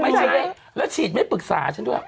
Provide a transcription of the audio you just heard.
ไม่ใช่แล้วฉีดไม่ปรึกษาฉันด้วย